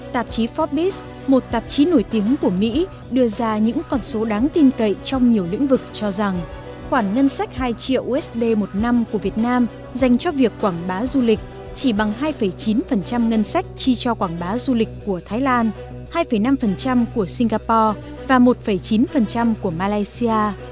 tạp chí forbes một tạp chí nổi tiếng của mỹ đưa ra những con số đáng tin cậy trong nhiều lĩnh vực cho rằng khoản ngân sách hai triệu usd một năm của việt nam dành cho việc quảng bá du lịch chỉ bằng hai chín ngân sách chi cho quảng bá du lịch của thái lan hai năm của singapore và một chín của malaysia